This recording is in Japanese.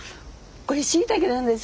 これしいたけなんです。